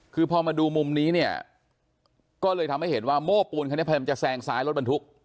คือพอมาดูมุมนี้เนี่ยก็เลยทำให้เห็นว่าโม้ปูนคันนี้พยายามจะแซงซ้ายรถบรรทุก